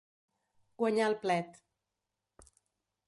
Guanyar el plet.